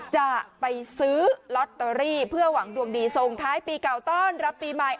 จะไปซื้อลอตเตอรี่เพื่อหวังดวงดีส่งท้ายปีเก่าต้อนรับปีใหม่